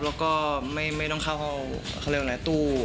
แล้วก็ไม่เราเข้าเข้าอะไรตู้